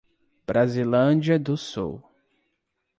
Brasilândia do Sul